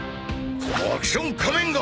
このアクション仮面が！